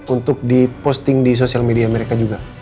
untuk diposting di sosial media mereka juga